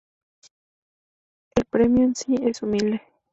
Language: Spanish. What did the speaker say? El premio en sí, es humilde.